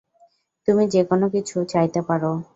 তুমি যেকোনো কিছু চাইতে পারো।